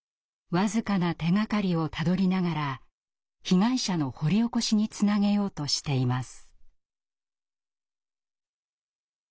僅かな手がかりをたどりながら被害者の掘り起こしにつなげようとしています。